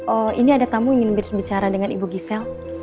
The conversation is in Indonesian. oh ini ada tamu ingin berbicara dengan ibu gisel